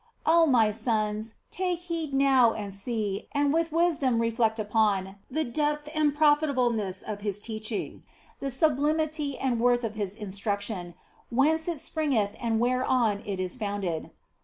Oh my sons, take heed now and see, and with wisdom reflect upon, the depth and profitableness of His teaching, the sublimity and worth of His instruction, whence it springeth and whereon it is founded.